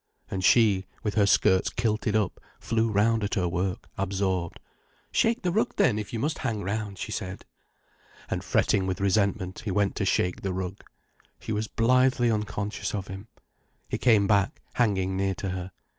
And she, with her skirts kilted up, flew round at her work, absorbed. "Shake the rug then, if you must hang round," she said. And fretting with resentment, he went to shake the rug. She was blithely unconscious of him. He came back, hanging near to her.